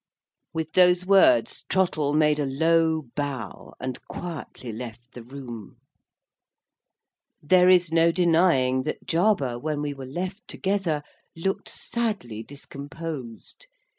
With those words, Trottle made a low bow, and quietly left the room. There is no denying that Jarber, when we were left together, looked sadly discomposed.